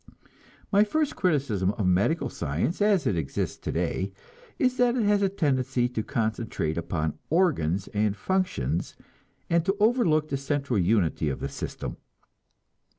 My first criticism of medical science, as it exists today, is that it has a tendency to concentrate upon organs and functions, and to overlook the central unity of the system.